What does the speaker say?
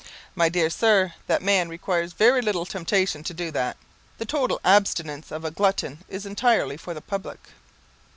"My dear Sir, that man requires very little temptation to do that. The total abstinence of a glutton is entirely for the public."